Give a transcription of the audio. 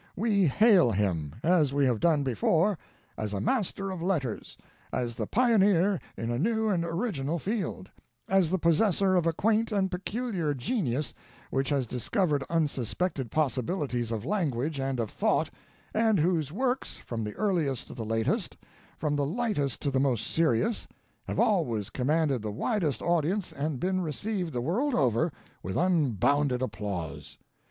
We hail him, as we have done before, as a master of letters, as the pioneer in a new and original field, as the possessor of a quaint and peculiar genius which has discovered unsuspected possibilities of language and of thought, and whose works, from the earliest to the latest, from the lightest to the most serious, have always commanded the widest audience and been received the world over with unbounded applause.